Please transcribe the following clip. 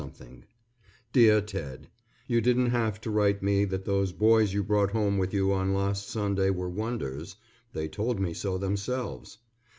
_March 20, 19 _ DEAR TED: You didn't have to write me that those boys you brought home with you on last Sunday were wonders. They told me so themselves.